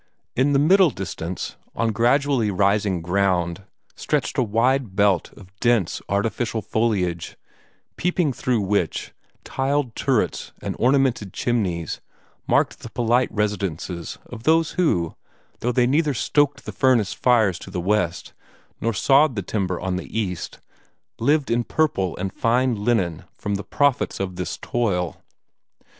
In the middle distance, on gradually rising ground, stretched a wide belt of dense, artificial foliage, peeping through which tiled turrets and ornamented chimneys marked the polite residences of those who, though they neither stoked the furnace fires to the west, nor sawed the lumber on the east, lived in purple and fine linen from the profits of this toil.